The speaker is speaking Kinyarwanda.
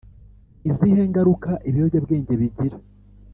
Ni izihe ngaruka ibiyobyabwenge bigira